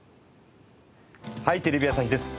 『はい！テレビ朝日です』